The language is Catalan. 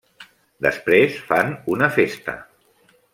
Després fan una festa.